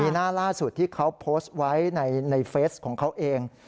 หน้าล่าสุดที่เขาโพสต์ไว้ในเฟสของเขาเอง